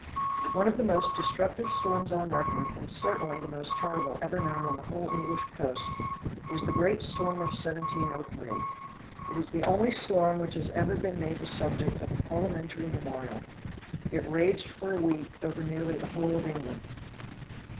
One of the most destructive storms on record, and certainly the most terrible ever known on the whole English coast is the great storm of 1703. It is the only storm which has ever been made the subject of a Parliamentary memorial. It raged for a week over nearly the whole of England.